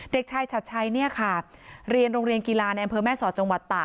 เด็กชายชัดชัยเนี่ยค่ะเรียนโรงเรียนกีฬาในอำเภอแม่สอดจังหวัดตาก